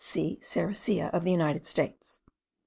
sericea of the United States.